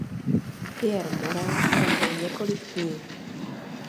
Pierre Morel tam byl několik dní.